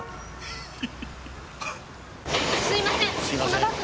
すいません。